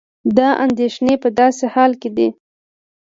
دا اندېښنې په داسې حال کې دي